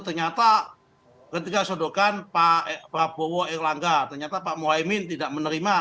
ternyata ketika sodokan pak prabowo erlangga ternyata pak mohaimin tidak menerima